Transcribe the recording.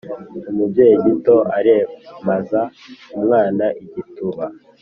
Umubyeyi gito aremaza umwana igituba.